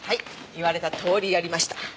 言われたとおりやりました。